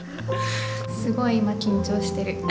すごい今緊張してる。